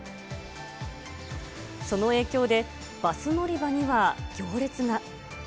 その影響で、バス乗り場には行列が。